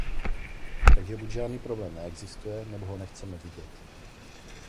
Takže buď žádný problém neexistuje, nebo ho nechceme vidět.